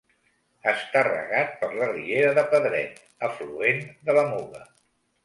Està regat per la riera de Pedret, afluent de la Muga.